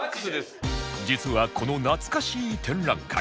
実はこのなつかしー展覧会